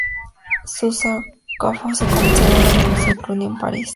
Su sarcófago se conserva ahora en el Museo de Cluny en París.